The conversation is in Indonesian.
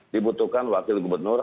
dibutuhkan wakil gubernur